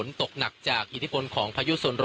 ตอนนี้ผมอยู่ในพื้นที่อำเภอโขงเจียมจังหวัดอุบลราชธานีนะครับ